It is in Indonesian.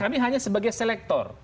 kami hanya sebagai selektor